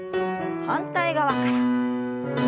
反対側から。